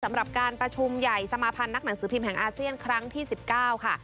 สำหรับการประชุมใหญ่สมาพันธ์นักหนังสือพิมพ์แห่งอาเซียนครั้งที่๑๙ค่ะ